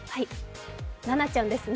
ナナちゃんですね。